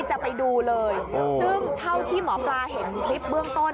จะไปดูเลยซึ่งเท่าที่หมอปลาเห็นคลิปเบื้องต้น